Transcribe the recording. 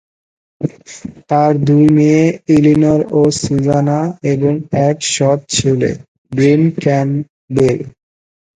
তার দুই মেয়ে, ইলিনর ও সুজানা এবং এক সৎ ছেলে, ব্রিন ক্যাম্পবেল।